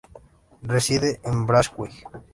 Reside en Braunschweig.